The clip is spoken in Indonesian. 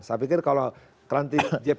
saya pikir kalau